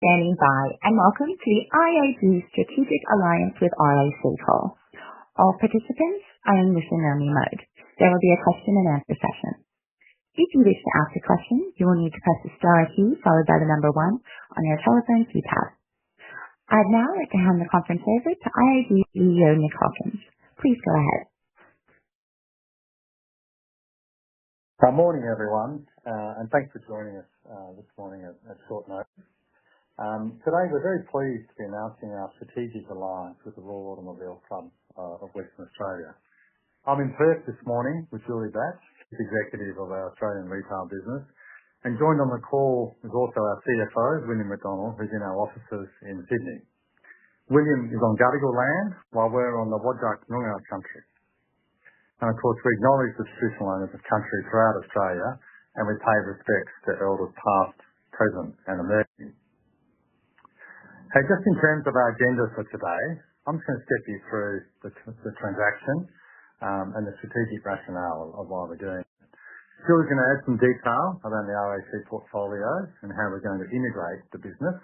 Standing by, and welcome to the IAG Strategic Alliance with RAC WA stakeholders. All participants are in listen-only mode. There will be a question-and-answer session. If you wish to ask a question, you will need to press the star key followed by the number one on your telephone keypad. I'd now like to hand the conference over to IAG CEO Nick Hawkins. Please go ahead. Good morning, everyone, and thanks for joining us this morning at short notice. Today, we're very pleased to be announcing our strategic alliance with the Royal Automobile Club of Western Australia. I'm in Perth this morning with Julie Batch, Chief Executive of our Australian retail business, and joined on the call is also our CFO, William McDonnell, who's in our offices in Sydney. William is on Gadigal land while we're on the Wadjuk Noongar country. Of course, we acknowledge the traditional owners of country throughout Australia, and we pay respects to elders past, present, and emerging. Just in terms of our agenda for today, I'm just going to step you through the transaction and the strategic rationale of why we're doing it. Julie's going to add some detail around the RAC portfolio and how we're going to integrate the business.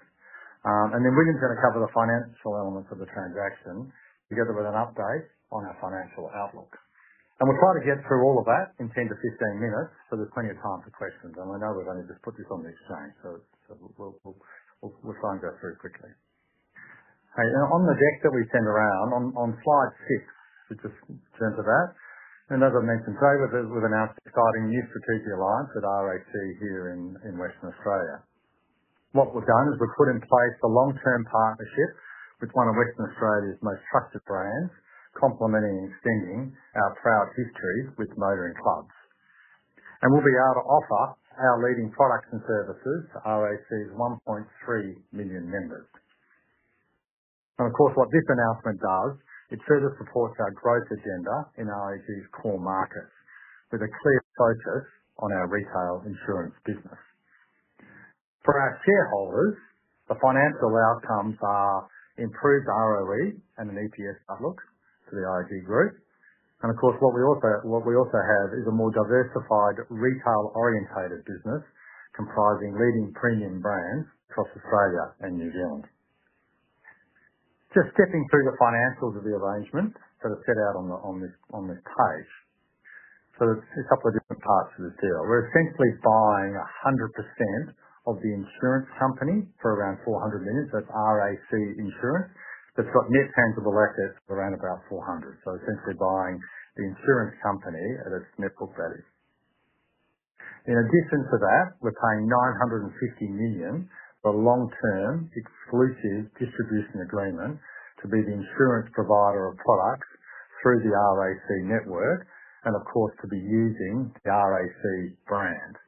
William is going to cover the financial elements of the transaction together with an update on our financial outlook. We will try to get through all of that in 10 to 15 minutes, so there is plenty of time for questions. I know we have only just put this on the exchange, so we will try and go through it quickly. On the deck that we sent around, on slide six, we just turn to that. As I mentioned today, we have announced the starting new strategic alliance with RAC here in Western Australia. What we have done is we have put in place a long-term partnership with one of Western Australia's most trusted brands, complementing and extending our proud history with motoring clubs. We will be able to offer our leading products and services to RAC's 1.3 million members. Of course, what this announcement does, it further supports our growth agenda in RAC's core markets with a clear focus on our retail insurance business. For our shareholders, the financial outcomes are improved ROE and an EPS outlook for the IAG Group. Of course, what we also have is a more diversified retail-orientated business comprising leading premium brands across Australia and New Zealand. Just stepping through the financials of the arrangement that are set out on this page, so there's a couple of different parts to this deal. We're essentially buying 100% of the insurance company for around 400 million. That's RAC Insurance. That's got net tangible assets of around about 400 million. So essentially buying the insurance company at its net book value. In addition to that, we're paying 950 million for a long-term exclusive distribution agreement to be the insurance provider of products through the RAC network and, of course, to be using the RAC brand.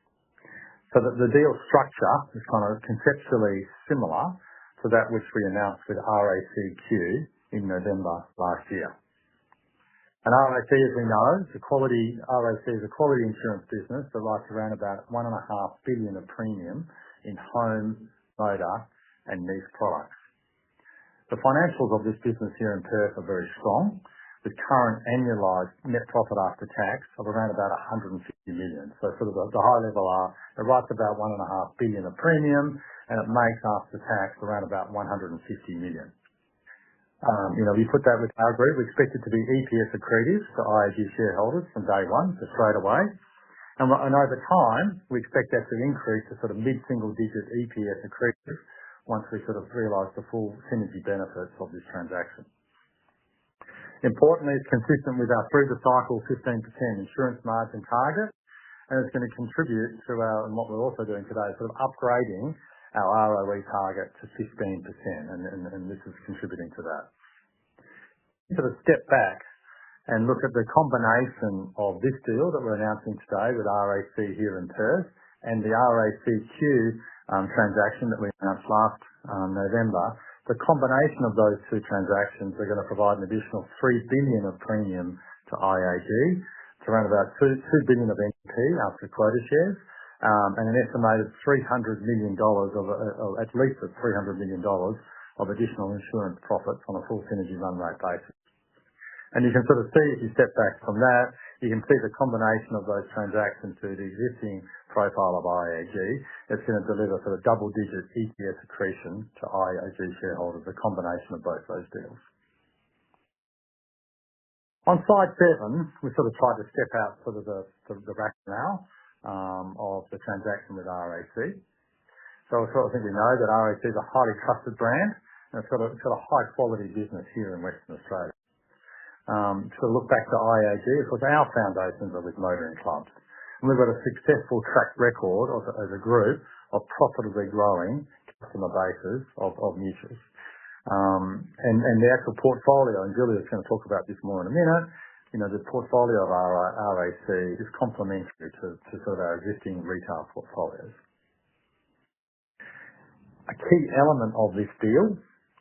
The deal structure is kind of conceptually similar to that which we announced with RACQ in November last year. RAC, as we know, is a quality insurance business that writes around about 1.5 billion of premium in home, motor, and niche products. The financials of this business here in Perth are very strong with current annualized net profit after tax of around about 150 million. At the high level, it writes about 1.5 billion of premium, and it makes after tax around about 150 million. We put that with our group. We expect it to be EPS accretive to IAG shareholders from day one, so straight away. Over time, we expect that to increase to sort of mid-single digit EPS accretive once we sort of realize the full synergy benefits of this transaction. Importantly, it's consistent with our through-the-cycle 15% insurance margin target, and it's going to contribute to our, and what we're also doing today is sort of upgrading our ROE target to 15%, and this is contributing to that. Sort of step back and look at the combination of this deal that we're announcing today with RAC here in Perth and the RACQ transaction that we announced last November. The combination of those two transactions are going to provide an additional 3 billion of premium to IAG, so around about 2 billion of NPAT after quota shares, and an estimated 300 million dollars of at least 300 million dollars of additional insurance profits on a full synergy run rate basis. You can sort of see if you step back from that, you can see the combination of those transactions to the existing profile of IAG. It's going to deliver sort of double-digit EPS accretion to IAG shareholders, a combination of both those deals. On slide seven, we sort of tried to step out sort of the rationale of the transaction with RAC. I think we know that RAC is a highly trusted brand, and it's got a high-quality business here in Western Australia. Look back to IAG. Of course, our foundations are with motoring clubs, and we've got a successful track record as a group of profitably growing customer bases of mutuals. The actual portfolio, and Julie is going to talk about this more in a minute, the portfolio of RAC is complementary to sort of our existing retail portfolios. A key element of this deal,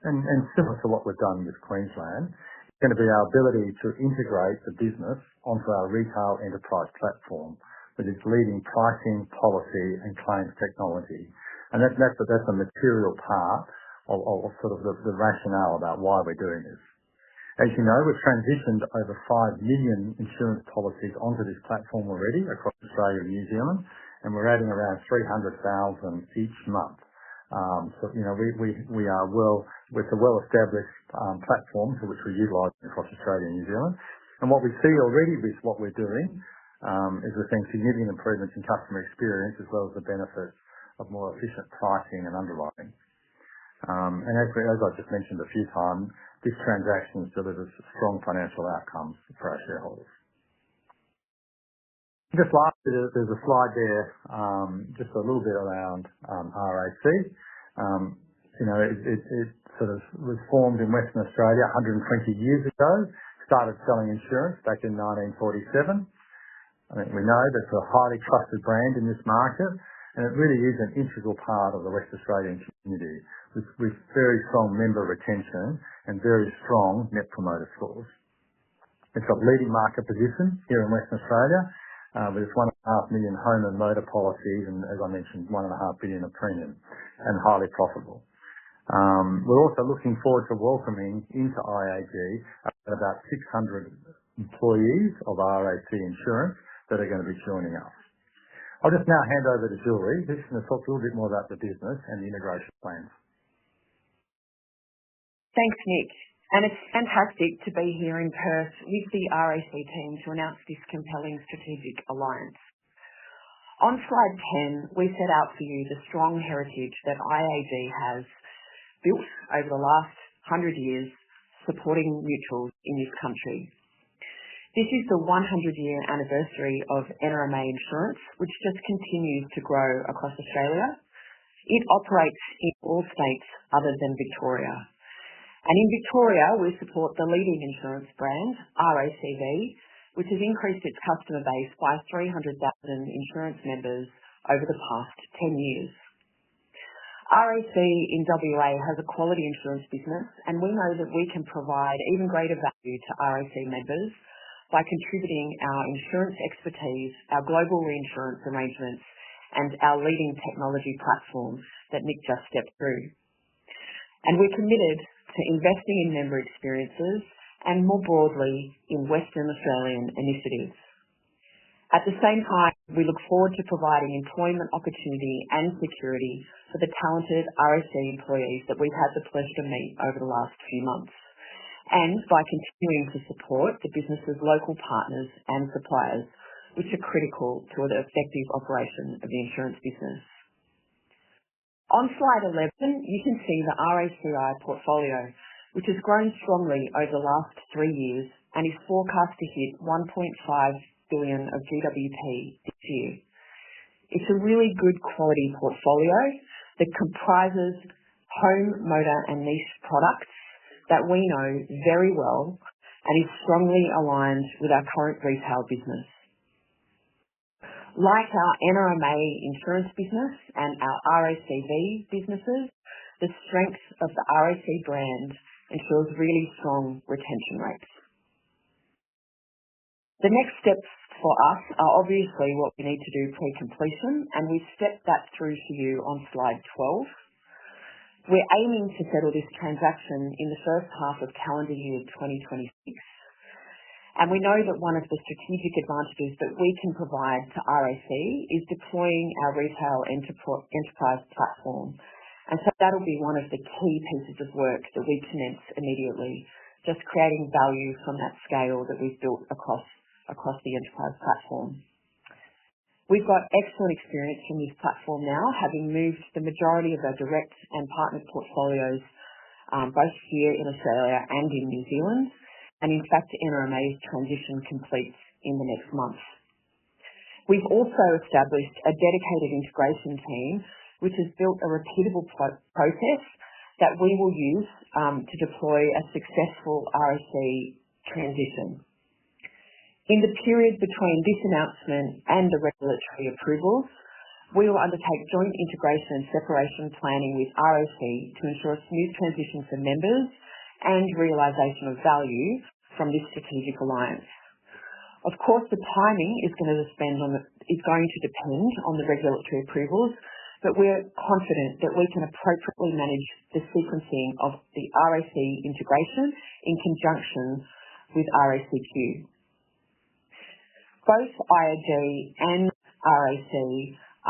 and similar to what we've done with Queensland, is going to be our ability to integrate the business onto our retail enterprise platform with its leading pricing, policy, and claims technology. That is a material part of sort of the rationale about why we're doing this. As you know, we've transitioned over 5 million insurance policies onto this platform already across Australia and New Zealand, and we're adding around 300,000 each month. We are well with a well-established platform for which we're utilizing across Australia and New Zealand. What we see already with what we're doing is we're seeing significant improvements in customer experience as well as the benefits of more efficient pricing and underwriting. As I've just mentioned a few times, this transaction has delivered strong financial outcomes for our shareholders. Lastly, there's a slide there just a little bit around RAC. It sort of was formed in Western Australia 120 years ago, started selling insurance back in 1947. I think we know that it's a highly trusted brand in this market, and it really is an integral part of the Western Australian community with very strong member retention and very strong net promoter scores. It's got leading market position here in Western Australia with its one and a half million home and motor policies, and as I mentioned, 1.5 billion of premium and highly profitable. We're also looking forward to welcoming into IAG about 600 employees of RAC Insurance that are going to be joining us. I'll just now hand over to Julie. She's going to talk a little bit more about the business and the integration plans. Thanks, Nick. It is fantastic to be here in Perth with the RAC team to announce this compelling strategic alliance. On slide 10, we set out for you the strong heritage that IAG has built over the last 100 years supporting mutuals in this country. This is the 100-year anniversary of NRMA Insurance, which just continues to grow across Australia. It operates in all states other than Victoria. In Victoria, we support the leading insurance brand, RACV, which has increased its customer base by 300,000 insurance members over the past 10 years. RAC in WA has a quality insurance business, and we know that we can provide even greater value to RAC members by contributing our insurance expertise, our global reinsurance arrangements, and our leading technology platforms that Nick just stepped through. We are committed to investing in member experiences and more broadly in Western Australian initiatives. At the same time, we look forward to providing employment opportunity and security for the talented RAC employees that we've had the pleasure to meet over the last few months, and by continuing to support the business's local partners and suppliers, which are critical to the effective operation of the insurance business. On slide 11, you can see the RAC Insurance portfolio, which has grown strongly over the last three years and is forecast to hit 1.5 billion of GWP this year. It's a really good quality portfolio that comprises home, motor, and niche products that we know very well and is strongly aligned with our current retail business. Like our NRMA Insurance business and our RACV businesses, the strength of the RAC brand ensures really strong retention rates. The next steps for us are obviously what we need to do pre-completion, and we step that through for you on slide 12. We're aiming to settle this transaction in the first half of calendar year 2026. We know that one of the strategic advantages that we can provide to RAC is deploying our retail enterprise platform. That'll be one of the key pieces of work that we commence immediately, just creating value from that scale that we've built across the enterprise platform. We've got excellent experience from this platform now, having moved the majority of our direct and partnered portfolios both here in Australia and in New Zealand, and in fact, NRMA's transition completes in the next month. We've also established a dedicated integration team, which has built a repeatable process that we will use to deploy a successful RAC transition. In the period between this announcement and the regulatory approvals, we will undertake joint integration and separation planning with RAC to ensure smooth transition for members and realization of value from this strategic alliance. Of course, the timing is going to depend on the regulatory approvals, but we're confident that we can appropriately manage the sequencing of the RAC integration in conjunction with RACQ. Both IAG and RAC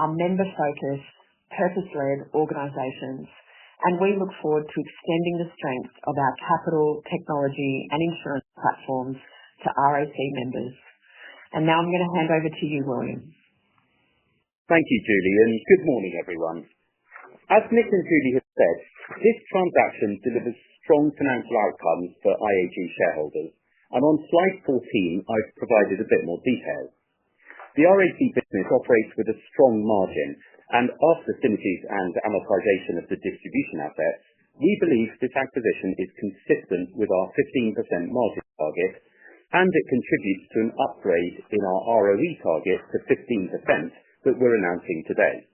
are member-focused, purpose-led organizations, and we look forward to extending the strength of our capital, technology, and insurance platforms to RAC members. Now I'm going to hand over to you, William. Thank you, Julie, and good morning, everyone. As Nick and Julie have said, this transaction delivers strong financial outcomes for IAG shareholders, and on slide 14, I've provided a bit more detail. The RAC business operates with a strong margin, and after synergies and amortization of the distribution assets, we believe this acquisition is consistent with our 15% margin target, and it contributes to an upgrade in our ROE target to 15% that we're announcing today.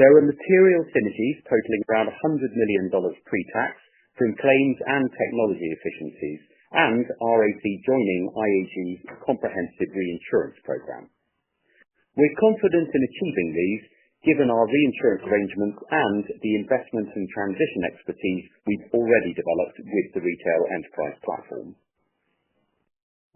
There are material synergies totaling around 100 million dollars pre-tax from claims and technology efficiencies and RAC joining IAG's comprehensive reinsurance program. We're confident in achieving these given our reinsurance arrangements and the investment and transition expertise we've already developed with the retail enterprise platform.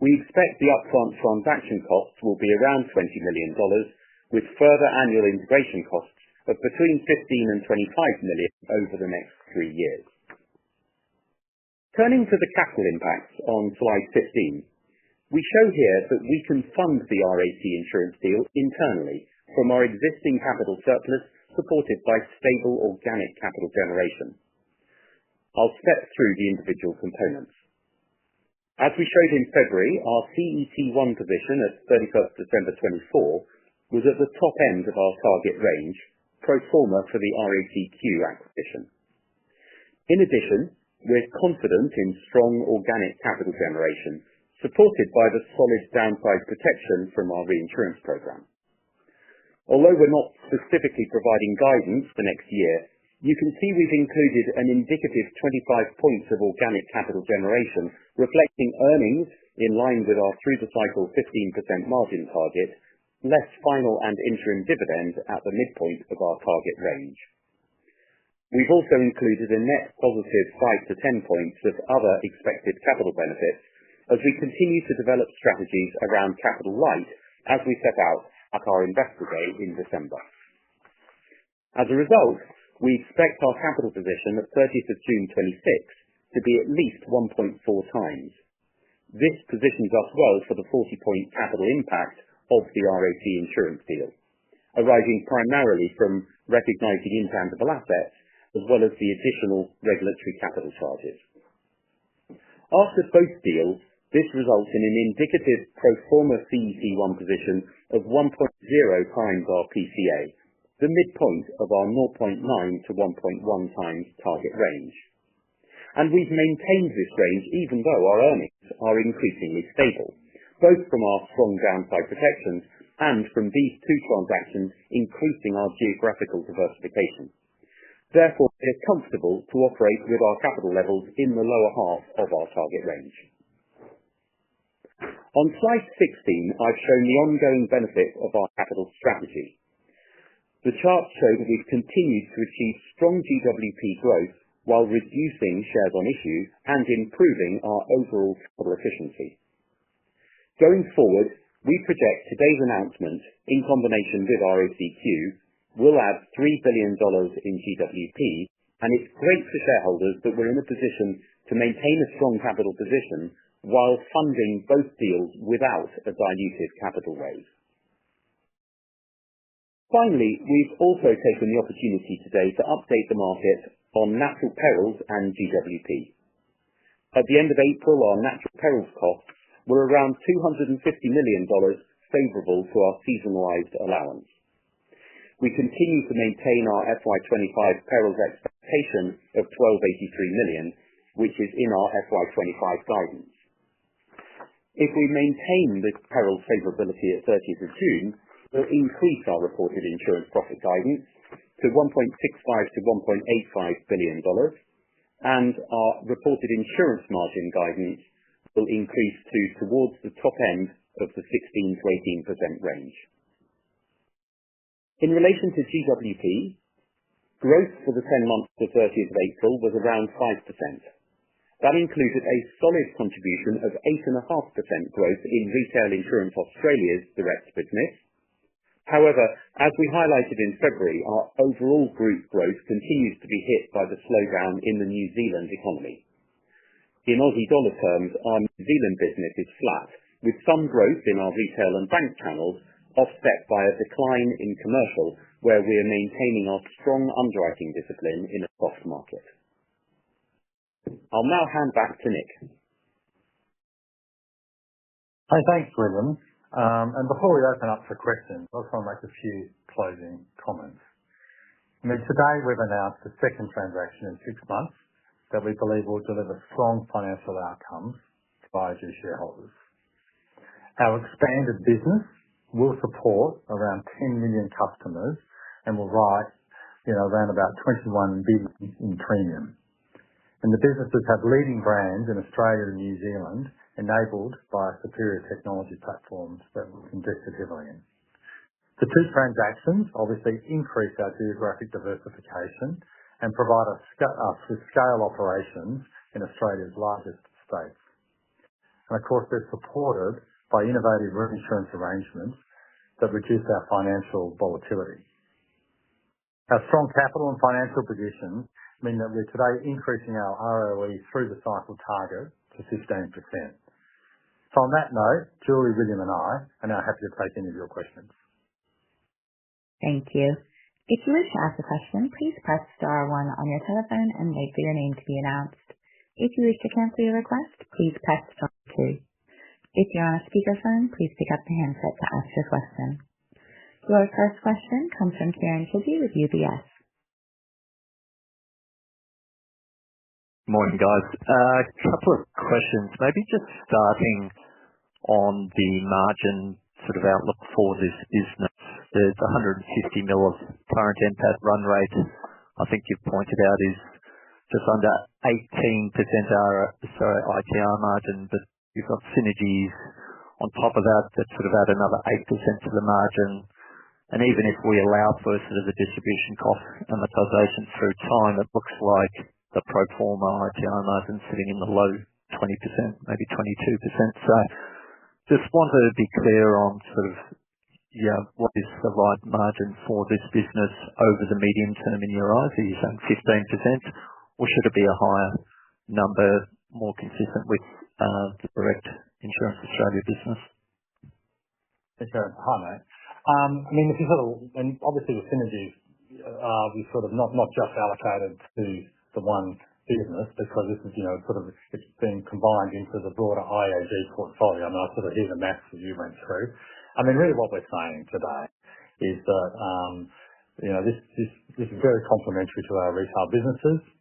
We expect the upfront transaction costs will be around 20 million dollars, with further annual integration costs of between 15 million and 25 million over the next three years. Turning to the capital impacts on slide 15, we show here that we can fund the RAC Insurance deal internally from our existing capital surplus supported by stable organic capital generation. I'll step through the individual components. As we showed in February, our CET1 position at 31 December 2024 was at the top end of our target range, pro forma for the RACQ acquisition. In addition, we're confident in strong organic capital generation supported by the solid downside protection from our reinsurance program. Although we're not specifically providing guidance for next year, you can see we've included an indicative 25 basis points of organic capital generation reflecting earnings in line with our through-the-cycle 15% margin target, less final and interim dividend at the midpoint of our target range. We've also included a net positive 5-10 points of other expected capital benefits as we continue to develop strategies around capital light as we set out at our investor day in December. As a result, we expect our capital position at 30th of June 2026 to be at least 1.4 times. This positions us well for the 40-point capital impact of the RAC Insurance deal, arising primarily from recognizing intangible assets as well as the additional regulatory capital charges. After both deals, this results in an indicative pro forma CET1 position of 1.0 times our PCA, the midpoint of our 0.9-1.1 times target range. We have maintained this range even though our earnings are increasingly stable, both from our strong downside protections and from these two transactions increasing our geographical diversification. Therefore, we're comfortable to operate with our capital levels in the lower half of our target range. On slide 16, I've shown the ongoing benefit of our capital strategy. The chart showed that we've continued to achieve strong GWP growth while reducing shares on issue and improving our overall capital efficiency. Going forward, we project today's announcement in combination with RACQ will add 3 billion dollars in GWP, and it's great for shareholders that we're in a position to maintain a strong capital position while funding both deals without a diluted capital rate. Finally, we've also taken the opportunity today to update the market on natural perils and GWP. At the end of April, our natural perils costs were around AUD 250 million favorable to our seasonalized allowance. We continue to maintain our FY2025 perils expectation of 1,283 million, which is in our FY2025 guidance. If we maintain this peril favorability at 30th of June, we'll increase our reported insurance profit guidance to 1.65 billion-1.85 billion dollars, and our reported insurance margin guidance will increase to towards the top end of the 16%-18% range. In relation to GWP, growth for the 10 months to 30th of April was around 5%. That included a solid contribution of 8.5% growth in retail insurance Australia's direct business. However, as we highlighted in February, our overall group growth continues to be hit by the slowdown in the New Zealand economy. In Aussie dollar terms, our New Zealand business is flat, with some growth in our retail and bank channels offset by a decline in commercial, where we are maintaining our strong underwriting discipline in a soft market. I'll now hand back to Nick. Hi, thanks, William. Before we open up for questions, I just want to make a few closing comments. I mean, today we've announced the second transaction in six months that we believe will deliver strong financial outcomes to IAG shareholders. Our expanded business will support around 10 million customers and will write around 21 billion in premium. The businesses have leading brands in Australia and New Zealand enabled by superior technology platforms that we've invested heavily in. The two transactions obviously increase our geographic diversification and provide us with scale operations in Australia's largest states. They are supported by innovative reinsurance arrangements that reduce our financial volatility. Our strong capital and financial position mean that we're today increasing our ROE through the cycle target to 15%. On that note, Julie, William, and I are now happy to take any of your questions. Thank you. If you wish to ask a question, please press star one on your telephone and wait for your name to be announced. If you wish to cancel your request, please press star two. If you're on a speakerphone, please pick up the handset to ask your question. Your first question comes from Kieren Chidgey with UBS. Morning, guys. A couple of questions. Maybe just starting on the margin sort of outlook for this business. There is 150 million of current NPAT run rate. I think you have pointed out is just under 18% ITR margin, but you have got synergies on top of that that sort of add another 8% to the margin. And even if we allow for sort of the distribution cost amortization through time, it looks like the pro forma ITR margin is sitting in the low 20%, maybe 22%. Just wanted to be clear on sort of what is the right margin for this business over the medium term in your eyes. Are you saying 15%, or should it be a higher number more consistent with the direct insurance Australia business? Yes, sir. Hi, mate. I mean, this is sort of, and obviously the synergies are sort of not just allocated to the one business because this is sort of being combined into the broader IAG portfolio. I mean, I sort of hear the maths that you went through. I mean, really what we're saying today is that this is very complementary to our retail businesses.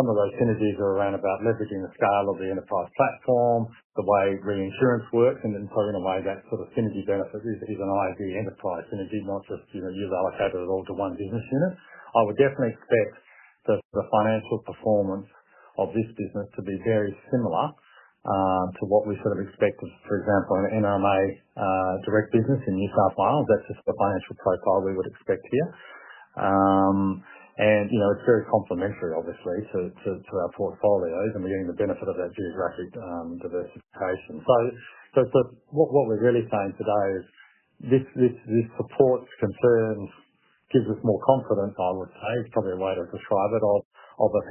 Some of those synergies are around about leveraging the scale of the enterprise platform, the way reinsurance works, and in a way that sort of synergy benefit is an IAG enterprise synergy, not just you've allocated it all to one business unit. I would definitely expect the financial performance of this business to be very similar to what we sort of expected, for example, an NRMA direct business in New South Wales. That's just the financial profile we would expect here. It is very complementary, obviously, to our portfolios, and we are getting the benefit of that geographic diversification. What we are really saying today is this supports concerns, gives us more confidence, I would say, it is probably a way to describe it, of a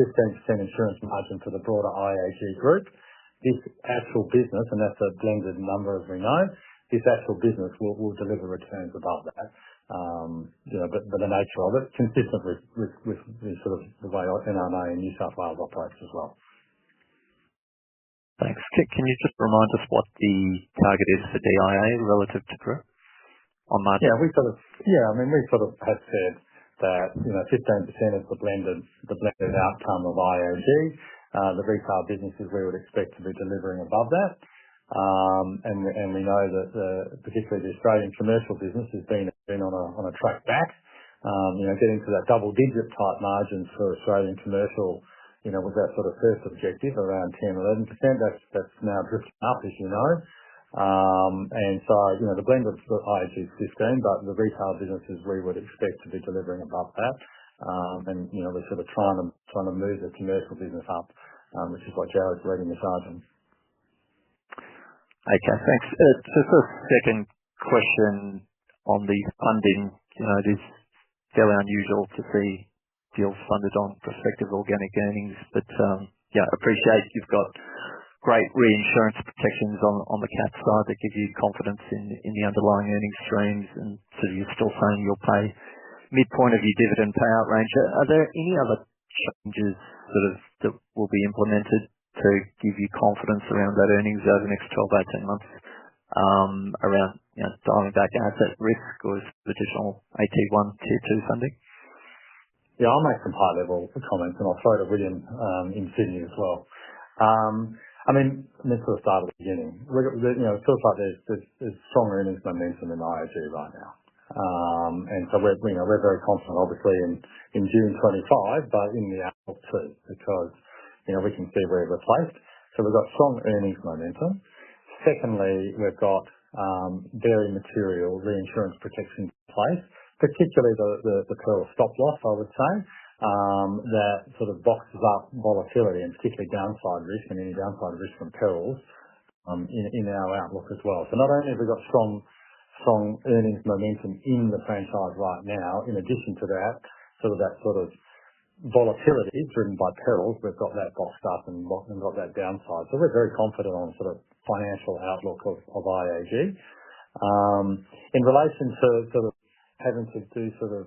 15% insurance margin for the broader IAG group. This actual business, and that is a blended number as we know, this actual business will deliver returns above that, but the nature of it, consistent with sort of the way NRMA in New South Wales operates as well. Thanks. Can you just remind us what the target is for DIA relative to GRIP on margin? Yeah, we sort of, yeah, I mean, we sort of have said that 15% is the blended outcome of IAG. The retail businesses, we would expect to be delivering above that. We know that particularly the Australian commercial business has been on a track back. Getting to that double-digit type margin for Australian commercial was our sort of first objective around 10-11%. That is now drifting up, as you know. The blended for IAG is 15%, but the retail businesses, we would expect to be delivering above that. We are sort of trying to move the commercial business up, which is what Jarrod is leading us on. Okay, thanks. Just a second question on the funding. It is fairly unusual to see deals funded on prospective organic earnings, but yeah, appreciate you've got great reinsurance protections on the cap side that give you confidence in the underlying earnings streams. You are still saying you'll pay midpoint of your dividend payout range. Are there any other changes sort of that will be implemented to give you confidence around that earnings over the next 12-18 months around dialing back asset risk or additional AT1, Tier 2 funding? Yeah, I'll make some high-level comments, and I'll throw to William in Sydney as well. I mean, let's sort of start at the beginning. It feels like there's strong earnings momentum in IAG right now. We're very confident, obviously, in June 2025, but in the outlook too, because we can see where we're placed. We've got strong earnings momentum. Secondly, we've got very material reinsurance protection in place, particularly the peril stop loss, I would say, that sort of boxes up volatility and particularly downside risk and any downside risk from perils in our outlook as well. Not only have we got strong earnings momentum in the franchise right now, in addition to that, that sort of volatility is driven by perils. We've got that boxed up and got that downside. We're very confident on the financial outlook of IAG. In relation to sort of having to do sort of,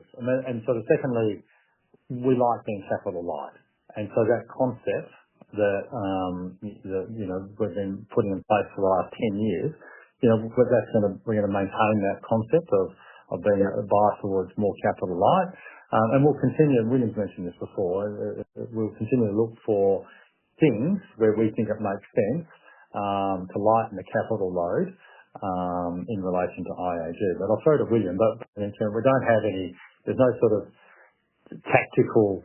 and sort of secondly, we like being capital light. That concept that we've been putting in place for the last 10 years, we're going to maintain that concept of being biased towards more capital light. We'll continue, and William's mentioned this before, we'll continue to look for things where we think it makes sense to lighten the capital load in relation to IAG. I'll throw to William. In turn, we don't have any, there's no sort of tactical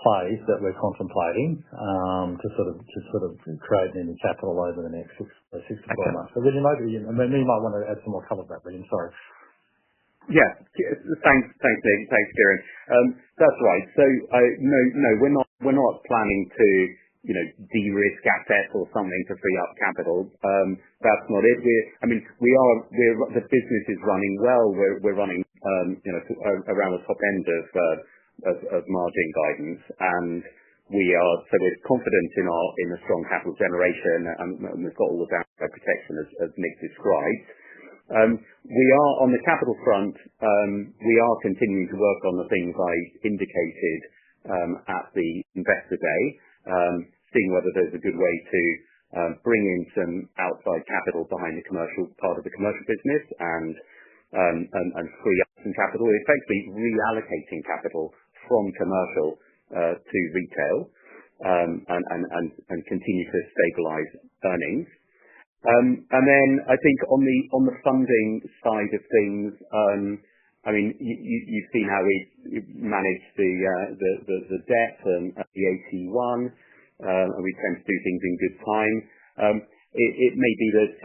plays that we're contemplating to sort of create any capital over the next six to twelve months. William, maybe you, and then you might want to add some more color to that, William, sorry. Yeah. Thanks, Nick. Thanks, Karen. That's right. No, we're not planning to de-risk assets or something to free up capital. That's not it. I mean, the business is running well. We're running around the top end of margin guidance. We are confident in a strong capital generation, and we've got all the downside protection, as Nick described. On the capital front, we are continuing to work on the things I indicated at the investor day, seeing whether there's a good way to bring in some outside capital behind the commercial part of the commercial business and free up some capital, effectively reallocating capital from commercial to retail and continue to stabilize earnings. I think on the funding side of things, you've seen how we've managed the debt and the AT1, and we tend to do things in good time. It may be that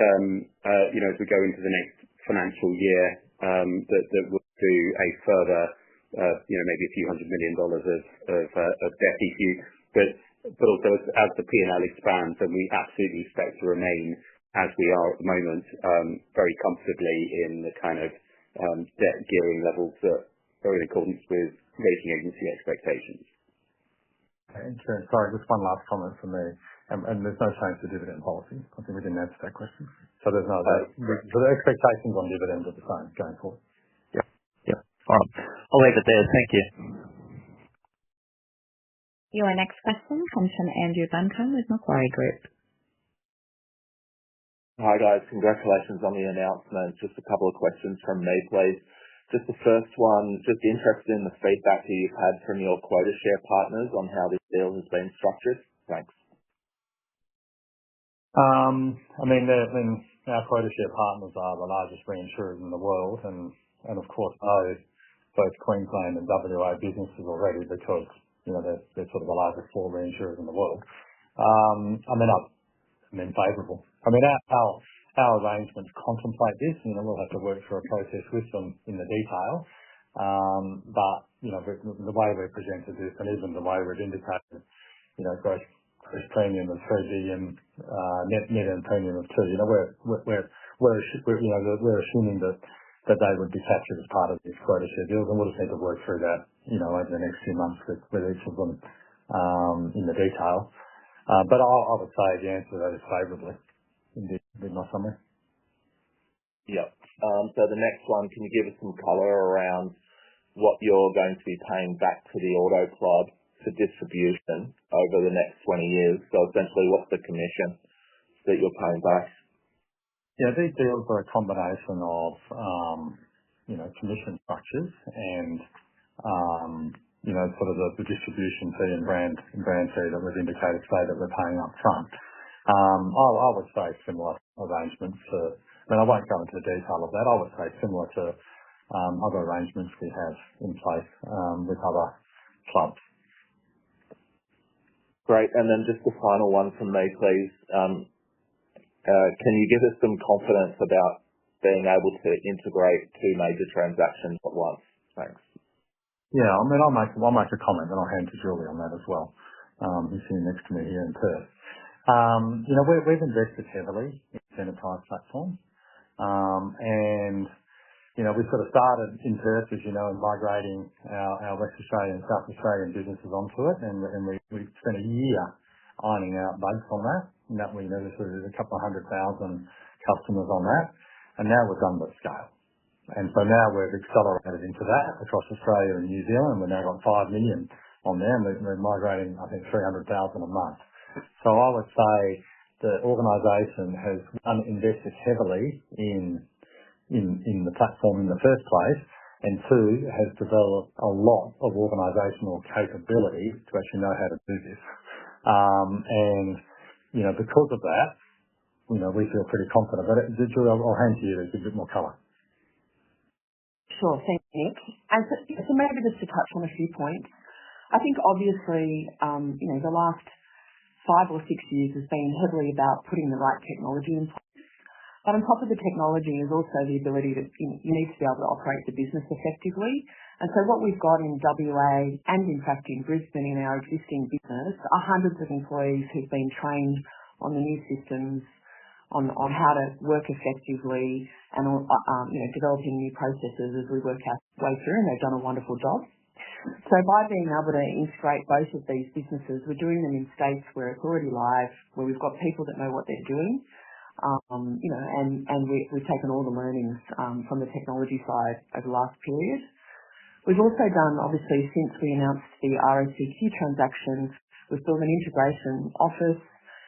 as we go into the next financial year that we'll do a further, maybe a few hundred million AUD of debt issue. Also as the P&L expands, and we absolutely expect to remain as we are at the moment, very comfortably in the kind of debt gearing levels that are in accordance with rating agency expectations. Interesting. Sorry, just one last comment from me. There is no change to dividend policy. I think we did not answer that question. There is no change. The expectations on dividends are the same going forward. Yep. Yep. All right. I'll leave it there. Thank you. Your next question comes from Andrew Buncombe with Macquarie Group. Hi guys. Congratulations on the announcement. Just a couple of questions from me, please. Just the first one, just interested in the feedback that you've had from your quota share partners on how this deal has been structured. Thanks. I mean, our quota share partners are the largest reinsurers in the world, and of course, know both Queensland and WA businesses already because they're sort of the largest four reinsurers in the world. I mean, I'm in favorable. I mean, our arrangements contemplate this. We'll have to work through a process with them in the detail. The way we've presented this, and even the way we've indicated gross premium of 3 billion, net net end premium of 2 billion, we're assuming that they would be captured as part of these quota share deals. We'll just need to work through that over the next few months with each of them in the detail. I would say the answer to that is favorably indeed in my summary. Yep. The next one, can you give us some color around what you're going to be paying back to the auto club for distribution over the next 20 years? Essentially, what's the commission that you're paying back? Yeah, these deals are a combination of commission structures and sort of the distribution fee and brand fee that we've indicated today that we're paying upfront. I would say similar arrangements to, I mean, I won't go into the detail of that. I would say similar to other arrangements we have in place with other clubs. Great. And then just the final one from me, please. Can you give us some confidence about being able to integrate two major transactions at once? Thanks. Yeah. I mean, I'll make a comment, and I'll hand to Julie on that as well. You'll see her next to me here in Perth. We've invested heavily in this enterprise platform, and we've sort of started in Perth, as you know, and migrating our Western Australian and South Australian businesses onto it. We spent a year ironing out bugs on that. There was a couple of hundred thousand customers on that. Now we've gone to scale. Now we've accelerated into that across Australia and New Zealand. We've now got 5 million on there, and we're migrating, I think, 300,000 a month. I would say the organization has invested heavily in the platform in the first place, and two, has developed a lot of organizational capability to actually know how to do this. Because of that, we feel pretty confident. Julie, I'll hand to you to give a bit more color. Sure. Thanks, Nick. Maybe just to touch on a few points. I think obviously the last five or six years has been heavily about putting the right technology in place. On top of the technology is also the ability that you need to be able to operate the business effectively. What we've got in WA and in fact in Brisbane in our existing business are hundreds of employees who've been trained on the new systems, on how to work effectively, and developing new processes as we work our way through, and they've done a wonderful job. By being able to integrate both of these businesses, we're doing them in states where it's already live, where we've got people that know what they're doing, and we've taken all the learnings from the technology side over the last period. We've also done, obviously, since we announced the RACQ transaction, we've built an integration office,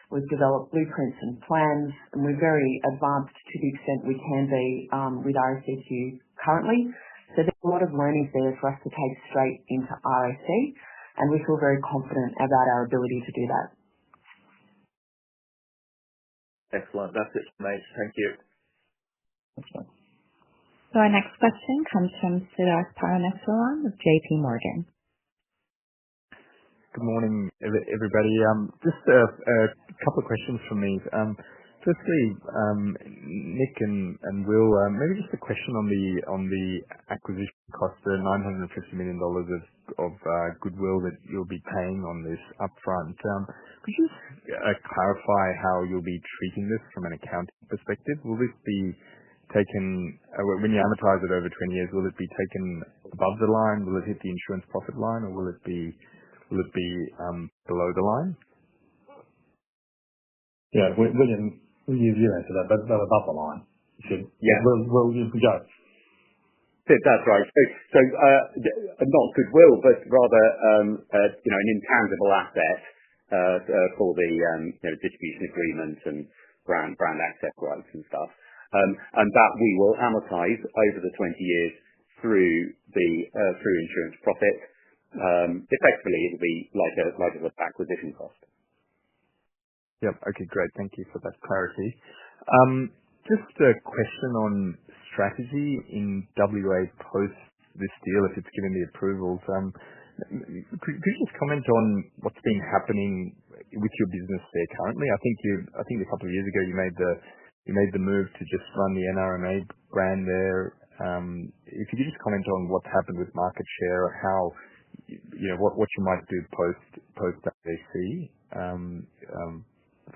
we've developed blueprints and plans, and we're very advanced to the extent we can be with RACQ currently. There is a lot of learnings there for us to take straight into RAC, and we feel very confident about our ability to do that. Excellent. That's it from me. Thank you. Excellent. Our next question comes from Siddharth Parameswaran with JP Morgan. Good morning, everybody. Just a couple of questions from me. Firstly, Nick and Will, maybe just a question on the acquisition cost, the 950 million dollars of goodwill that you'll be paying on this upfront. Could you clarify how you'll be treating this from an accounting perspective? Will this be taken, when you amortize it over 20 years, will it be taken above the line? Will it hit the insurance profit line, or will it be below the line? Yeah. William, you answered that, but above the line. You said, "Will, you'll be good. That's right. Not goodwill, but rather an intangible asset for the distribution agreement and brand access rights and stuff. That we will amortize over the 20 years through insurance profit. Effectively, it will be like an acquisition cost. Yep. Okay. Great. Thank you for that clarity. Just a question on strategy in Western Australia post this deal, if it's given the approvals. Could you just comment on what's been happening with your business there currently? I think a couple of years ago you made the move to just run the NRMA brand there. If you could just comment on what's happened with market share or what you might do post AC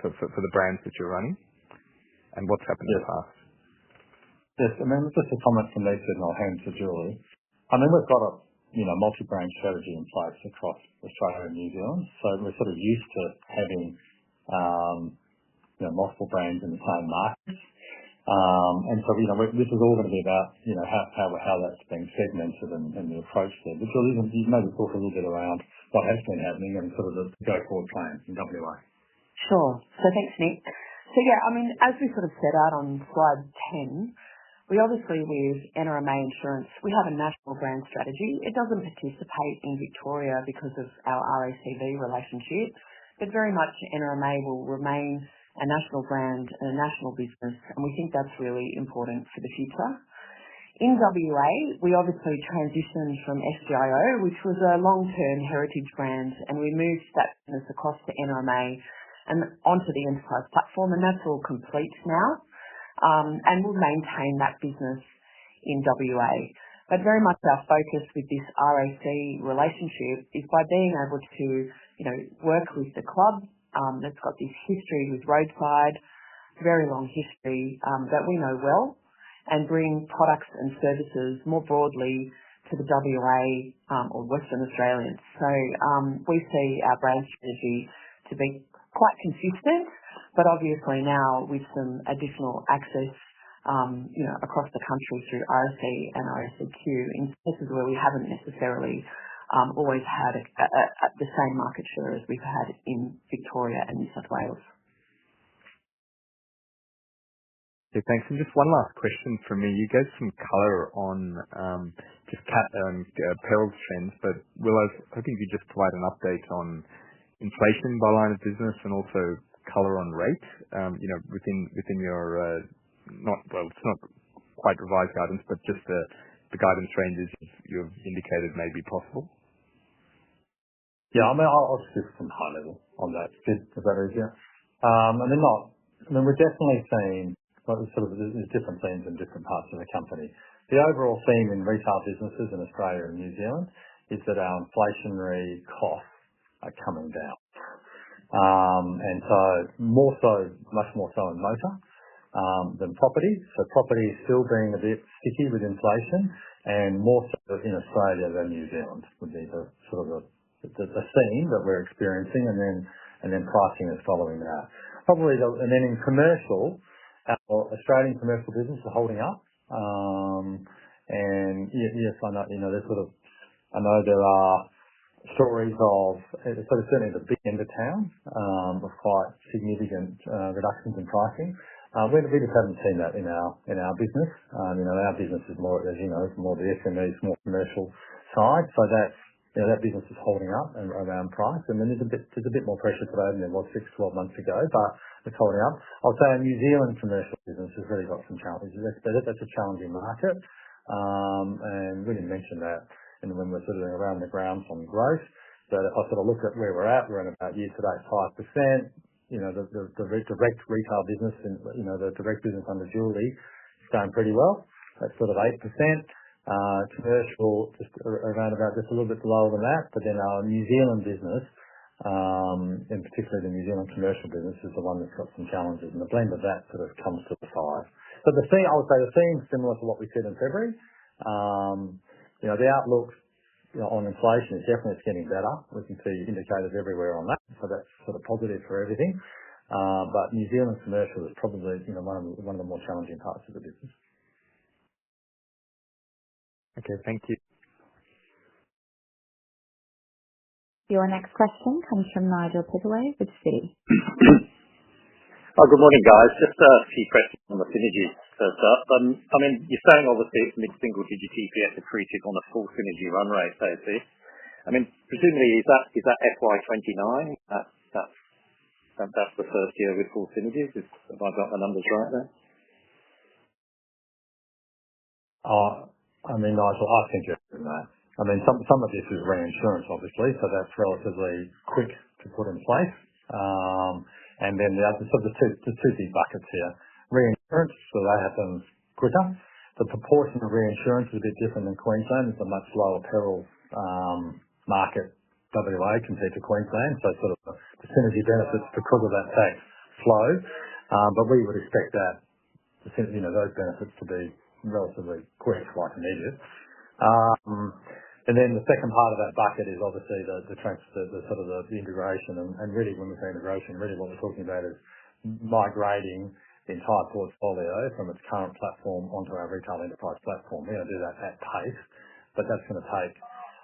for the brands that you're running and what's happened in the past. Yes. I mean, just a comment from Nick, and I'll hand to Julie. I mean, we've got a multi-brand strategy in place across Australia and New Zealand. We're sort of used to having multiple brands in the same market. This is all going to be about how that's being segmented and the approach there. Julie, you maybe talk a little bit around what has been happening and sort of the go-forward plans in WA. Sure. Thanks, Nick. As we sort of set out on slide 10, we obviously, with NRMA Insurance, have a national brand strategy. It does not participate in Victoria because of our RACV relationship, but very much NRMA will remain a national brand and a national business, and we think that is really important for the future. In Western Australia, we obviously transitioned from SGIO, which was a long-term heritage brand, and we moved that business across to NRMA and onto the enterprise platform, and that is all complete now. We will maintain that business in Western Australia. Very much our focus with this RAC relationship is by being able to work with the club that has this history with roadside, very long history that we know well, and bring products and services more broadly to Western Australians. We see our brand strategy to be quite consistent, but obviously now with some additional access across the country through RAC and RACQ in places where we haven't necessarily always had the same market share as we've had in Victoria and New South Wales. Okay. Thanks. Just one last question from me. You gave some color on just payroll trends, but Will, I was hoping you could just provide an update on inflation by line of business and also color on rate within your, well, it's not quite revised guidance, but just the guidance ranges you've indicated may be possible. Yeah. I'll just give some high level on that if that is, yeah. I mean, we're definitely seeing sort of there's different themes in different parts of the company. The overall theme in retail businesses in Australia and New Zealand is that our inflationary costs are coming down. Much more so in motor than property. Property is still being a bit sticky with inflation, and more so in Australia than New Zealand would be sort of a theme that we're experiencing, and then pricing is following that. In commercial, our Australian commercial business is holding up. Yes, I know there are stories of, certainly the big end of town with quite significant reductions in pricing. We just haven't seen that in our business. Our business is more of the SMEs, more commercial side. That business is holding up around price. There is a bit more pressure today than there was 6-12 months ago, but it is holding up. I will say our New Zealand commercial business has really got some challenges. That is a challenging market. William mentioned that. When we are sort of around the grounds on growth, I will sort of look at where we are at. We are at about year-to-date 5%. The direct retail business, the direct business under Julie, is going pretty well. That is sort of 8%. Commercial, just around about just a little bit lower than that. Our New Zealand business, and particularly the New Zealand commercial business, is the one that has got some challenges. The blend of that comes to the 5%. I would say the theme is similar to what we said in February. The outlook on inflation is definitely getting better. We can see indicators everywhere on that, so that's sort of positive for everything. New Zealand commercial is probably one of the more challenging parts of the business. Okay. Thank you. Your next question comes from Nigel Pittaway with Citi. Good morning, guys. Just a few questions on the synergies first up. I mean, you're saying obviously it's mid-single digit EPS accretive on a full synergy run rate, AC. I mean, presumably, is that FY 2029? That's the first year with full synergies, if I've got the numbers right there? I mean, Nigel, I think you're right. I mean, some of this is reinsurance, obviously, so that's relatively quick to put in place. And then there's sort of two big buckets here. Reinsurance, so that happens quicker. The proportion of reinsurance is a bit different in Queensland. It's a much lower payroll market, WA, compared to Queensland. So sort of the synergy benefits because of that tax flow. But we would expect those benefits to be relatively quick, quite immediate. And then the second part of that bucket is obviously the sort of the integration. And really, when we say integration, really what we're talking about is migrating the entire portfolio from its current platform onto our retail enterprise platform. We're going to do that at pace, but that's going to take,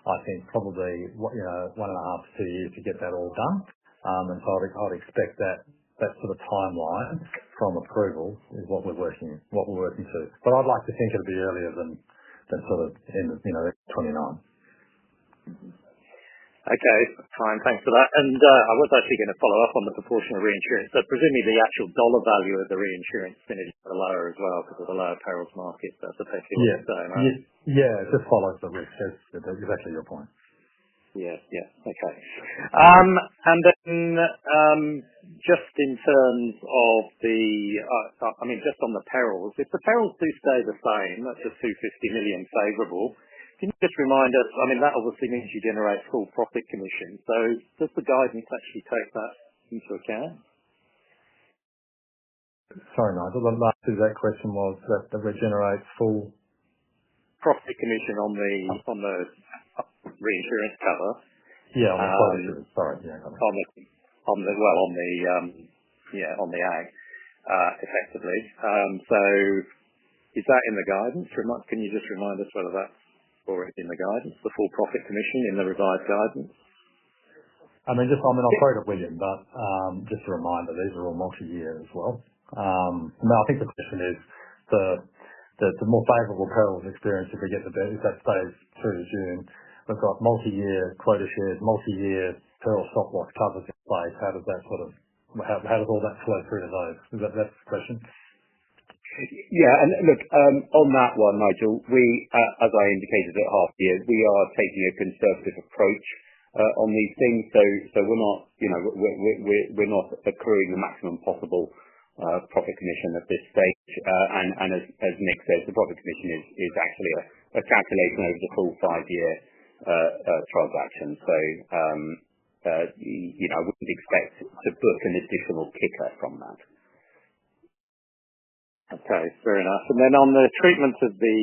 I think, probably one and a half to two years to get that all done. I would expect that sort of timeline from approval is what we're working to. I'd like to think it'll be earlier than sort of end of 2029. Okay. Fine. Thanks for that. I was actually going to follow up on the proportion of reinsurance. Presumably, the actual dollar value of the reinsurance synergy is lower as well because of the lower payrolls market, that's effectively what you're saying, right? Yeah. It just follows the risk. That's exactly your point. Yeah. Yeah. Okay. And then just in terms of the, I mean, just on the payrolls, if the payrolls do stay the same, that's the 250 million favorable, can you just remind us? I mean, that obviously means you generate full profit commission. Does the guidance actually take that into account? Sorry, Nigel. Last year, that question was that we generate full profit commission on the reinsurance cover? Yeah. On the insurance, sorry. On the, yeah, on the ag effectively. So is that in the guidance? Can you just remind us whether that's already in the guidance, the full profit commission in the revised guidance? I mean, I'll throw it at William, but just a reminder, these are all multi-year as well. I think the question is the more favorable payrolls experience, if we get the best, if that stays through June, we've got multi-year quota shares, multi-year payroll stop-loss covers in place. How does that sort of, how does all that flow through to those? Is that the question? Yeah. And look, on that one, Nigel, as I indicated at half year, we are taking a conservative approach on these things. So we're not accruing the maximum possible profit commission at this stage. And as Nick said, the profit commission is actually a calculation over the full five-year transaction. I wouldn't expect to book an additional kicker from that. Okay. Fair enough. And then on the treatment of the,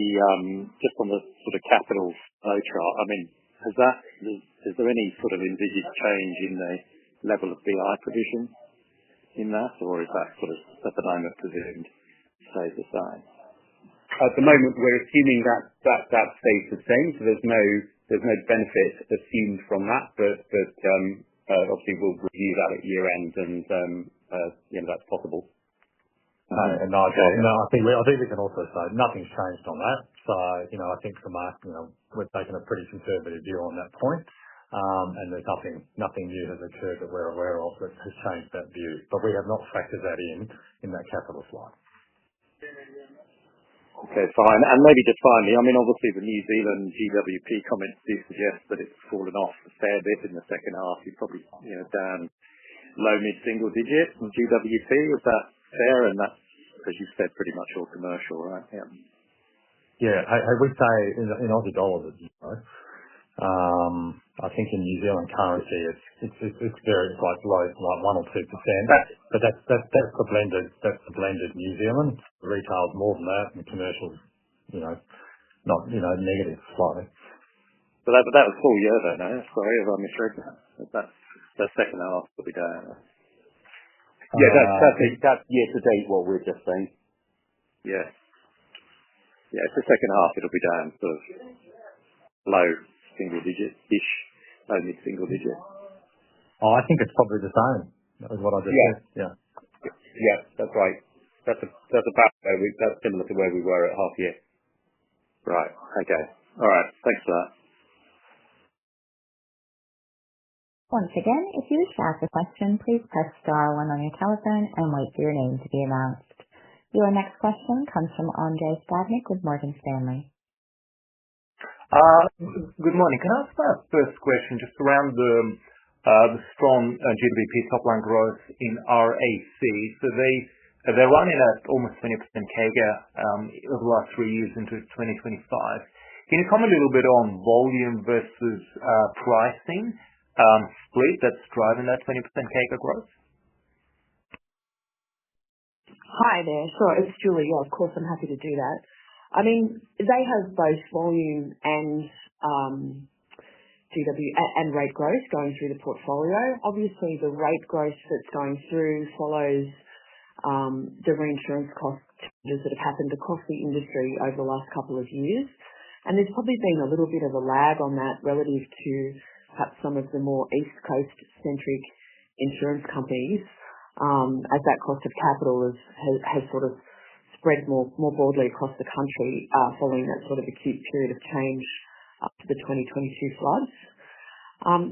just on the sort of capital flow chart, I mean, is there any sort of immediate change in the level of BI provision in that, or is that sort of at the moment presumed stays the same? At the moment, we're assuming that that stays the same. So there's no benefit assumed from that, but obviously, we'll review that at year-end, and that's possible. Nigel, I think we can also say nothing's changed on that. I think from our, we're taking a pretty conservative view on that point, and there's nothing new that has occurred that we're aware of that has changed that view. We have not factored that in in that capital slot. Okay. Fine. And maybe just finally, I mean, obviously, the New Zealand GWP comments do suggest that it's fallen off a fair bit in the second half. You're probably down low mid-single digit in GWP. Is that fair? And that's, as you said, pretty much all commercial, right? Yeah. Yeah. I would say in Aussie dollars, it's low. I think in New Zealand currency, it's very low, like 1% or 2%. That's the blended New Zealand. Retail's more than that, and commercial's not negative slightly. That was full year, though, no? Sorry if I misread. That second half will be down. Yeah. That's year-to-date, what we're just saying. Yeah. Yeah. It's the second half. It'll be down sort of low single digit-ish, low mid-single digit. Oh, I think it's probably the same. That was what I just said. Yeah. Yeah. That's right. That's about where we that's similar to where we were at half year. Right. Okay. All right. Thanks for that. Once again, if you have a question, please press star one on your telephone and wait for your name to be announced. Your next question comes from Andrei Stadnik with Morgan Stanley. Good morning. Can I ask that first question just around the strong GWP top-line growth in RAC? They are running at almost 20% CAGR over the last three years into 2025. Can you comment a little bit on volume versus pricing split that is driving that 20% CAGR growth? Hi there. Sure. It's Julie. Yeah, of course, I'm happy to do that. I mean, they have both volume and rate growth going through the portfolio. Obviously, the rate growth that's going through follows the reinsurance cost changes that have happened across the industry over the last couple of years. There's probably been a little bit of a lag on that relative to perhaps some of the more East Coast-centric insurance companies, as that cost of capital has sort of spread more broadly across the country following that sort of acute period of change after the 2022 floods.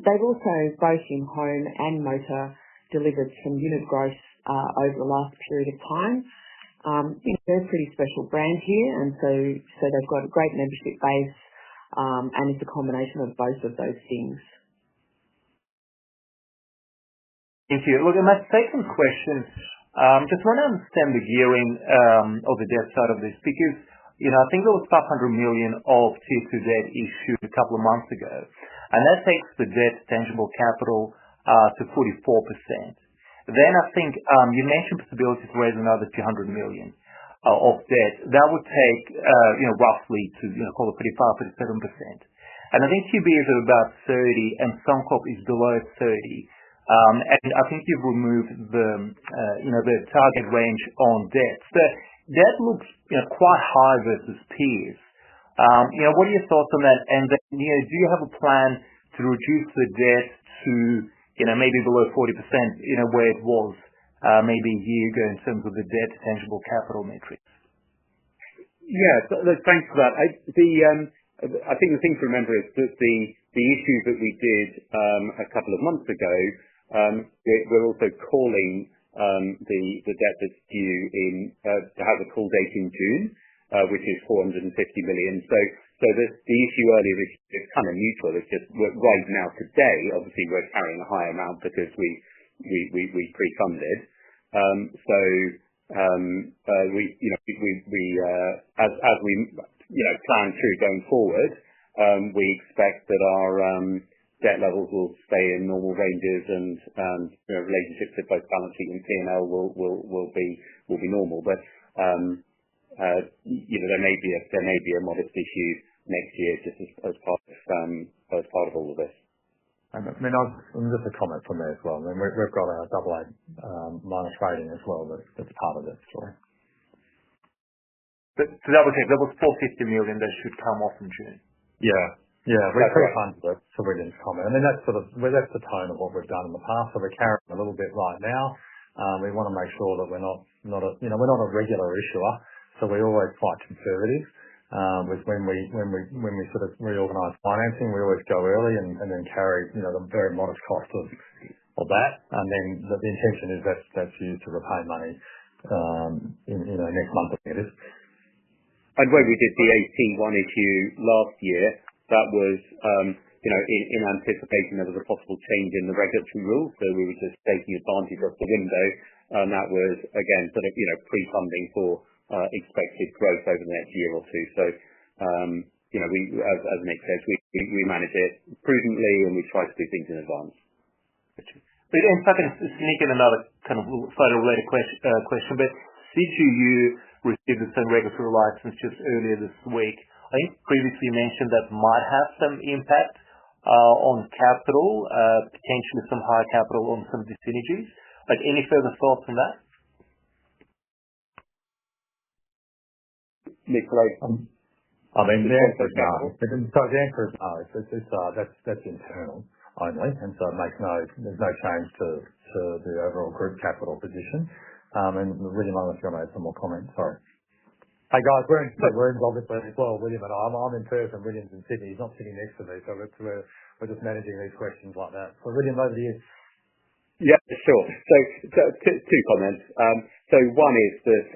They've also, both in home and motor, delivered some unit growth over the last period of time. They're a pretty special brand here, and so they've got a great membership base, and it's a combination of both of those things. Thank you. Look, my second question, just want to understand the gearing or the debt side of this because I think there was 500 million of tier-two debt issued a couple of months ago, and that takes the debt tangible capital to 44%. Then I think you mentioned possibilities to raise another 200 million of debt. That would take roughly to call it 45-47%. I think QBE is at about 30%, and Suncorp is below 30%. I think you've removed the target range on debt. That looks quite high versus peers. What are your thoughts on that? Do you have a plan to reduce the debt to maybe below 40% where it was maybe a year ago in terms of the debt tangible capital matrix? Yeah. Thanks for that. I think the thing to remember is that the issue that we did a couple of months ago, we're also calling the debt that's due in, has a call date in June, which is 450 million. The issue earlier is kind of neutral. It's just right now today, obviously, we're carrying a higher amount because we pre-funded. As we plan through going forward, we expect that our debt levels will stay in normal ranges, and relationships with both balance sheet and P&L will be normal. There may be a modest issue next year just as part of all of this. I mean, just a comment from there as well. We've got a AA- rating as well that's part of this, sorry. That was 450 million that should come off in June? Yeah. Yeah. We're still trying to do that. That's a brilliant comment. I mean, that's the tone of what we've done in the past. We're carrying a little bit right now. We want to make sure that we're not a regular issuer, so we're always quite conservative. When we sort of reorganize financing, we always go early and then carry the very modest cost of that. The intention is that's used to repay money next month or the next year. When we did the AC1 issue last year, that was in anticipation there was a possible change in the regulatory rules, so we were just taking advantage of the window. That was, again, sort of pre-funding for expected growth over the next year or two. As Nick said, we manage it prudently, and we try to do things in advance. In fact, I'm just sneaking another kind of slightly related question. Did you receive the same regulatory license just earlier this week? I think previously you mentioned that might have some impact on capital, potentially some high capital on some of the synergies. Any further thoughts on that? Nick, sorry. I mean, the answer is no. That's internal only. There is no change to the overall group capital position. Really, Nigel, if you want to add some more comments, sorry. Hi, guys. We're in with William, and I'm in Perth, and William's in Sydney. He's not sitting next to me, so we're just managing these questions like that. William, over to you. Yeah. Sure. Two comments. One is that,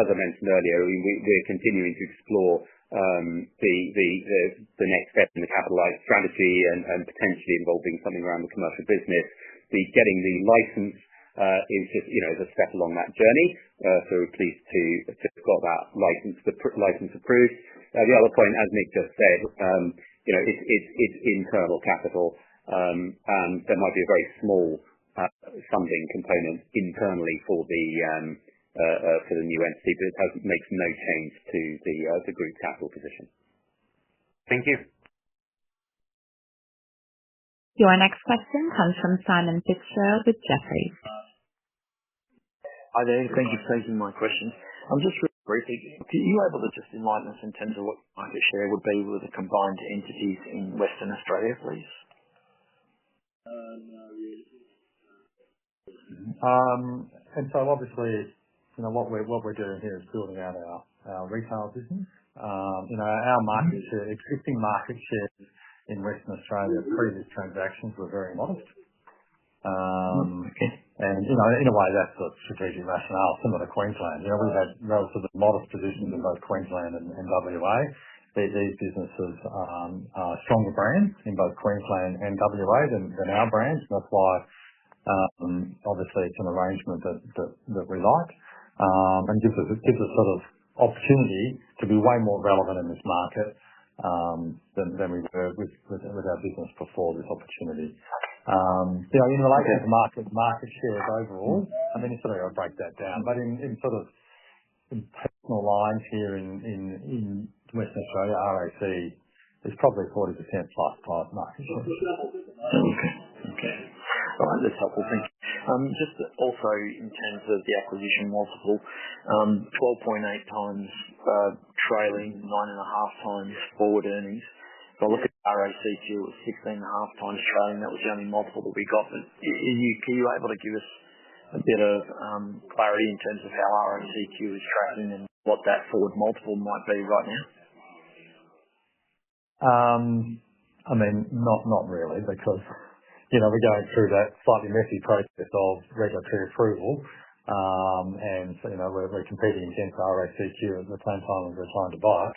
as I mentioned earlier, we're continuing to explore the next step in the capitalise strategy and potentially involving something around the commercial business. Getting the license is just a step along that journey. We're pleased to have got that license approved. The other point, as Nick just said, it's internal capital, and there might be a very small funding component internally for the new entity, but it makes no change to the group capital position. Thank you. Your next question comes from Simon Fitzgerald with Jefferies. Hi there. Thank you for taking my question. I'm just really briefly. Are you able to just enlighten us in terms of what market share would be with the combined entities in Western Australia, please? Obviously, what we're doing here is building out our retail business. Our market is here. Existing market share in Western Australia previous transactions were very modest. In a way, that's the strategic rationale similar to Queensland. We've had relatively modest positions in both Queensland and WA. These businesses are stronger brands in both Queensland and WA than our brands. That's why, obviously, it's an arrangement that we like and gives us sort of opportunity to be way more relevant in this market than we were with our business before this opportunity. In relation to market shares overall, I mean, it's sort of I'll break that down. In sort of personal lines here in Western Australia, RAC is probably 40% plus plus market share. Okay. Okay. All right. That's helpful. Thank you. Just also in terms of the acquisition multiple, 12.8 times trailing, 9.5 times forward earnings. If I look at RACQ, it's 16.5 times trailing. That was the only multiple that we got. Are you able to give us a bit of clarity in terms of how RACQ is tracking and what that forward multiple might be right now? I mean, not really because we're going through that slightly messy process of regulatory approval, and we're competing against RACQ at the same time as we're trying to buy it.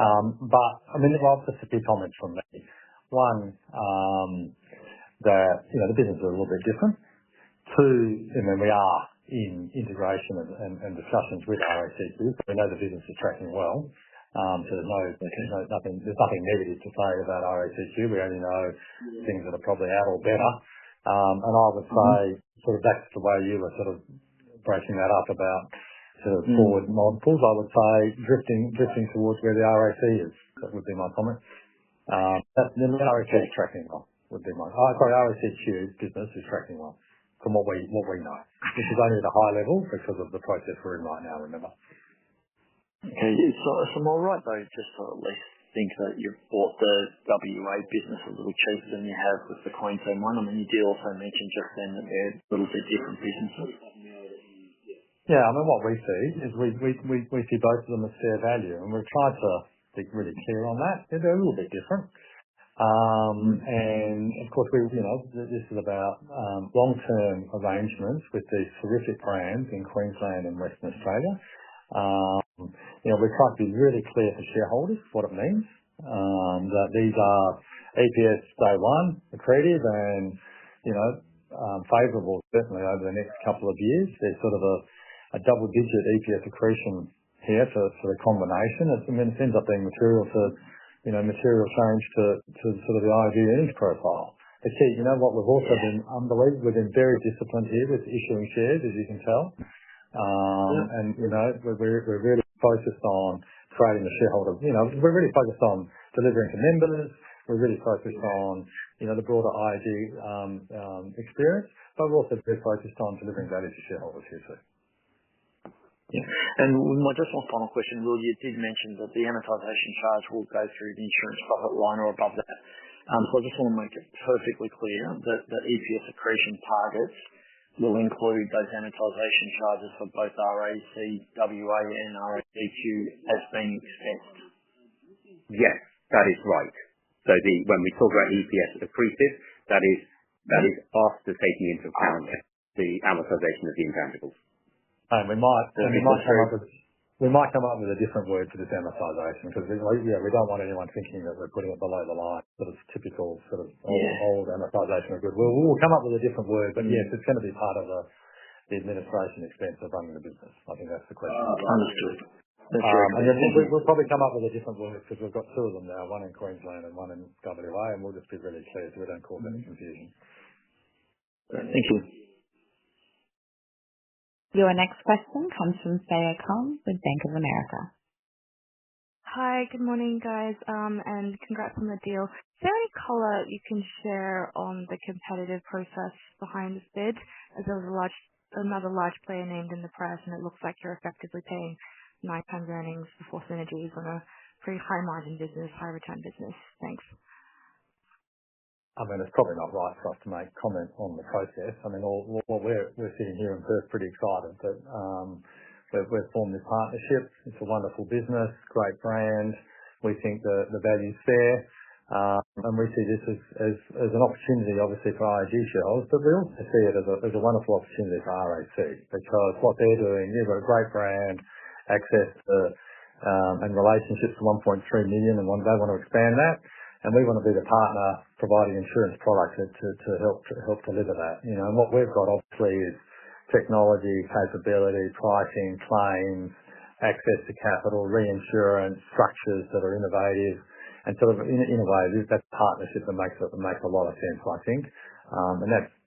I mean, there are a few comments from me. One, that the business is a little bit different. Two, we are in integration and discussions with RACQ. We know the business is tracking well. There's nothing negative to say about RACQ. We only know things that are probably out or better. I would say sort of back to the way you were sort of breaking that up about sort of forward multiples, I would say drifting towards where the RAC is. That would be my comment. The RAC is tracking well. Sorry, RACQ's business is tracking well from what we know, which is only at a high level because of the process we're in right now, remember. Okay. So I'm all right, though, just to at least think that you've bought the WA business a little cheaper than you have with the Queensland one. I mean, you did also mention just then that they're a little bit different businesses. Yeah. I mean, what we see is we see both of them as fair value, and we've tried to be really clear on that. They're a little bit different. Of course, this is about long-term arrangements with these terrific brands in Queensland and Western Australia. We've tried to be really clear to shareholders what it means, that these are EPS day one accretive and favorable certainly over the next couple of years. There's sort of a double-digit EPS accretion here for the combination. I mean, it ends up being material to material change to sort of the IAG earnings profile. The key, what we've also been, unbelievably, we've been very disciplined here with issuing shares, as you can tell. We're really focused on creating the shareholder. We're really focused on delivering to members. We're really focused on the broader IV experience, but we're also very focused on delivering value to shareholders here, too. Yeah. My just one final question, William, you did mention that the amortization charge will go through the insurance profit line or above that. I just want to make it perfectly clear that the EPS accretion targets will include those amortization charges for both RAC WA and RACQ as being expensed. Yes, that is right. When we talk about EPS accretive, that is after taking into account the amortization of the intangibles. We might come up with a different word for this amortization because we do not want anyone thinking that we are putting it below the line. Sort of typical sort of old amortization of goodwill. We will come up with a different word, but yes, it is going to be part of the administration expense of running the business. I think that is the question. Understood. That is very good. We'll probably come up with a different word because we've got two of them now, one in Queensland and one in WA, and we'll just be really clear so we don't cause any confusion. Thank you. Your next question comes from Freya Kong with Bank of America. Hi, good morning, guys, and congrats on the deal. Is there any color you can share on the competitive process behind the bid as there was another large player named in the prize, and it looks like you're effectively paying nine times earnings before synergies on a pretty high-margin business, high-return business? Thanks. I mean, it's probably not right for us to make comments on the process. I mean, all we're sitting here in Perth pretty excited that we've formed this partnership. It's a wonderful business, great brand. We think the value's fair, and we see this as an opportunity, obviously, for IAG shareholders, but we also see it as a wonderful opportunity for RAC because what they're doing, they've got a great brand, access to and relationships to 1.3 million, and they want to expand that. We want to be the partner providing insurance products to help deliver that. What we've got, obviously, is technology, capability, pricing, claims, access to capital, reinsurance, structures that are innovative. In a way, that's a partnership that makes a lot of sense, I think.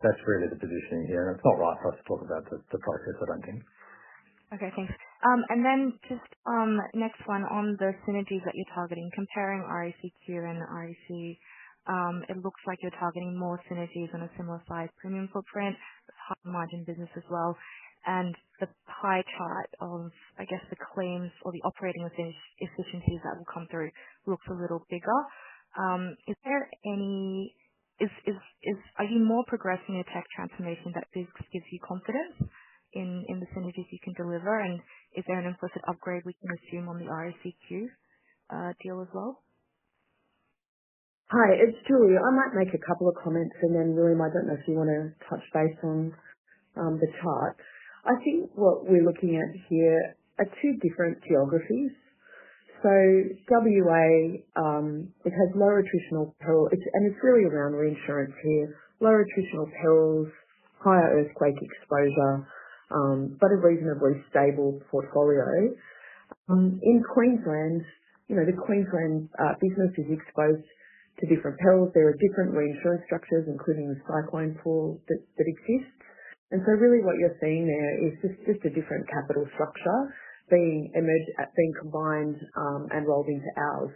That's really the positioning here. It is not right for us to talk about the process, I do not think. Okay. Thanks. Next one on the synergies that you're targeting, comparing RACQ and RAC, it looks like you're targeting more synergies on a similar size premium footprint, high-margin business as well. The pie chart of, I guess, the claims or the operating efficiencies that will come through looks a little bigger. Is there any, are you more progressed in your tech transformation that this gives you confidence in the synergies you can deliver? Is there an implicit upgrade we can assume on the RACQ deal as well? Hi, it's Julie. I might make a couple of comments, and then, William, I don't know if you want to touch base on the chart. I think what we're looking at here are two different geographies. WA, it has low attritional peril, and it's really around reinsurance here. Low attritional perils, higher earthquake exposure, but a reasonably stable portfolio. In Queensland, the Queensland business is exposed to different perils. There are different reinsurance structures, including the cyclone pool that exists. You are really seeing there just a different capital structure being combined and rolled into ours.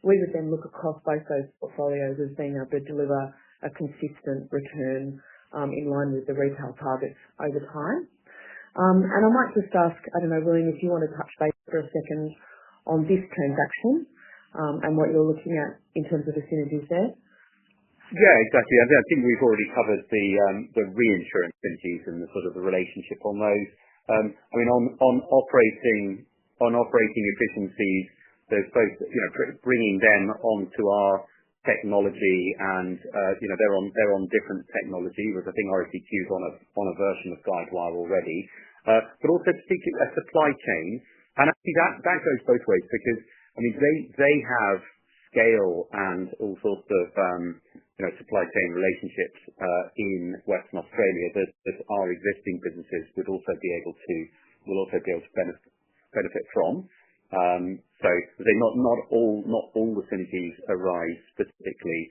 We would then look across both those portfolios as being able to deliver a consistent return in line with the retail targets over time. I might just ask, I do not know, William, if you want to touch base for a second on this transaction and what you are looking at in terms of the synergies there. Yeah, exactly. I think we've already covered the reinsurance synergies and sort of the relationship on those. I mean, on operating efficiencies, there's both bringing them onto our technology, and they're on different technology, which I think RACQ is on a version of Guidewire already. Also, speaking of supply chain, that goes both ways because, I mean, they have scale and all sorts of supply chain relationships in Western Australia that our existing businesses will also be able to benefit from. Not all the synergies arise specifically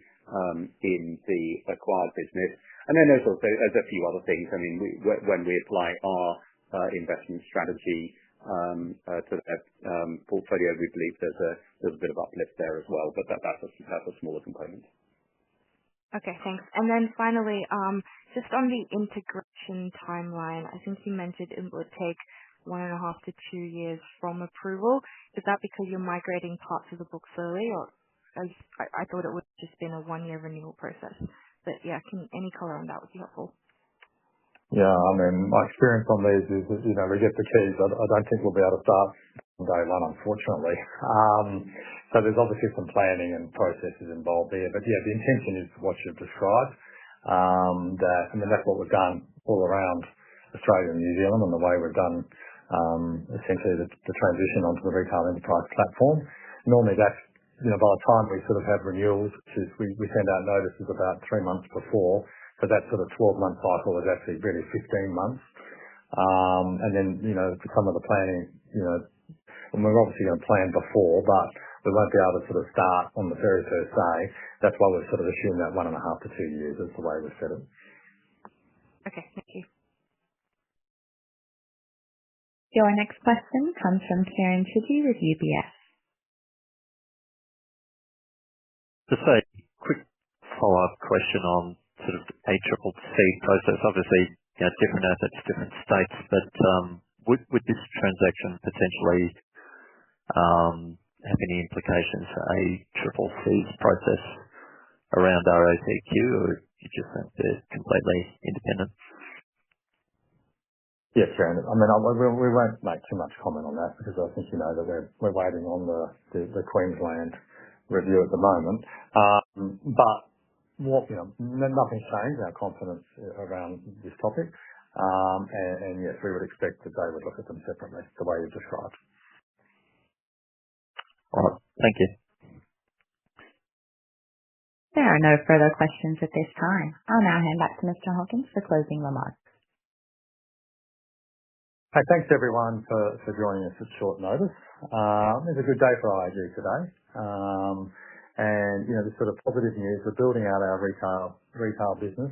in the acquired business. Then there's also a few other things. I mean, when we apply our investment strategy to that portfolio, we believe there's a bit of uplift there as well, but that's a smaller component. Okay. Thanks. And then finally, just on the integration timeline, I think you mentioned it would take one and a half to two years from approval. Is that because you're migrating parts of the book slowly, or I thought it would have just been a one-year renewal process? But yeah, any color on that would be helpful. Yeah. I mean, my experience on these is that we get the keys. I don't think we'll be able to start from day one, unfortunately. There is obviously some planning and processes involved there. Yeah, the intention is what you've described. I mean, that's what we've done all around Australia and New Zealand and the way we've done essentially the transition onto the retail enterprise platform. Normally, by the time we sort of have renewals, we send out notices about three months before, but that sort of 12-month cycle is actually really 15 months. For some of the planning, we're obviously going to plan before, but we won't be able to sort of start on the very first day. That's why we've sort of assumed that one and a half to two years is the way we've set it. Okay. Thank you. Your next question comes from Karen Chiddey with UBS. Just a quick follow-up question on sort of the ACCC process. Obviously, different assets, different states, but would this transaction potentially have any implications for ACCC's process around RACQ, or do you just think they're completely independent? Yes, Karen. I mean, we won't make too much comment on that because I think you know that we're waiting on the Queensland review at the moment. Nothing's changed. Our confidence around this topic. Yes, we would expect that they would look at them separately the way you've described. All right. Thank you. There are no further questions at this time. I'll now hand back to Mr. Hawkins for closing remarks. Thanks, everyone, for joining us at short notice. It's a good day for IAG today. The sort of positive news, we're building out our retail business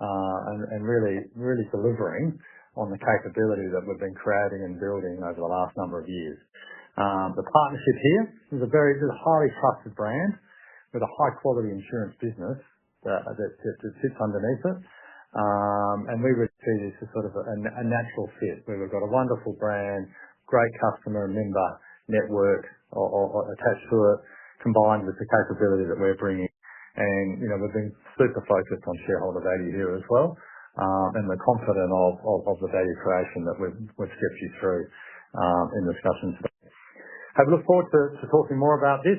and really delivering on the capability that we've been creating and building over the last number of years. The partnership here is a very highly trusted brand with a high-quality insurance business that sits underneath it. We would see this as sort of a natural fit where we've got a wonderful brand, great customer member network attached to it, combined with the capability that we're bringing. We've been super focused on shareholder value here as well. We're confident of the value creation that we've stepped you through in discussions. Have a look forward to talking more about this,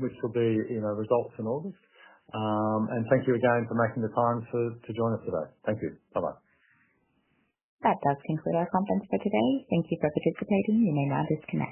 which will be results in August. Thank you again for making the time to join us today. Thank you. Bye-bye. That does conclude our conference for today. Thank you for participating. You may now disconnect.